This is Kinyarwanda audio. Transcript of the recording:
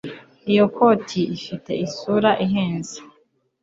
Iyo koti ifite isura ihenze